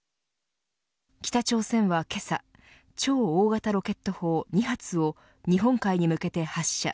北朝鮮はけさ超大型ロケット砲、２発を日本海に向けて発射。